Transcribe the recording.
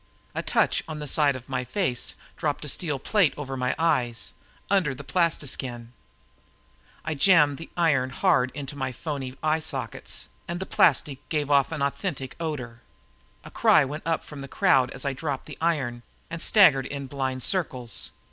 A touch on the side of my face dropped a steel plate over my eyes, under the plastiskin. Then I jammed the iron hard into my phony eye sockets and the plastic gave off an authentic odor. A cry went up from the crowd as I dropped the iron and staggered in blind circles.